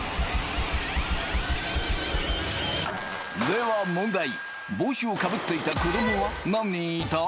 では問題帽子をかぶっていた子供は何人いた？